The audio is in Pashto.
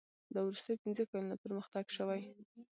دا وروستي پنځه کلونه پرمختګ شوی.